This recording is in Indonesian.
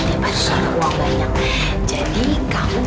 terima kasih pak